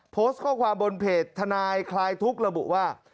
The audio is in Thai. โพสต์ข้อความบนเพจทนายคลายทุกข์ระบุว่า